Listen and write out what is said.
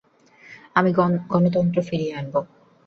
আমি গণতন্ত্র ফিরিয়ে আনব!